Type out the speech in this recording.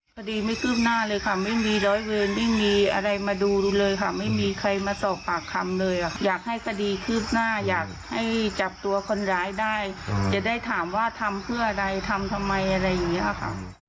คดีไม่คืบหน้าเลยค่ะไม่มีร้อยเวรไม่มีอะไรมาดูเลยค่ะไม่มีใครมาสอบปากคำเลยค่ะอยากให้คดีคืบหน้าอยากให้จับตัวคนร้ายได้จะได้ถามว่าทำเพื่ออะไรทำทำไมอะไรอย่างนี้ค่ะ